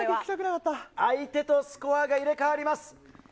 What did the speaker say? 相手とスコアが入れ替わります！